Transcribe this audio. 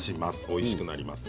おいしくなります。